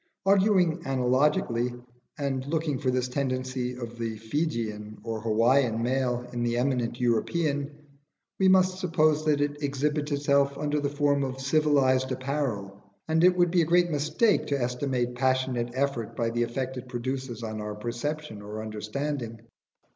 Arguing analogically, and looking for this tendency of the Fijian or Hawaian male in the eminent European, we must suppose that it exhibits itself under the forms of civilised apparel; and it would be a great mistake to estimate passionate effort by the effect it produces on our perception or understanding.